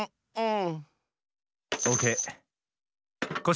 うん？